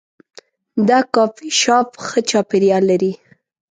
دا کافي شاپ ښه چاپیریال لري.